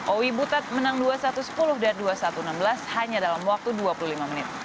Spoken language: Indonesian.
owi butet menang dua satu sepuluh dan dua satu enam belas hanya dalam waktu dua puluh lima menit